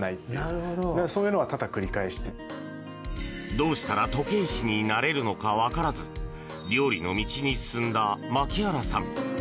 どうしたら時計師になれるのかわからず料理の道に進んだ牧原さん。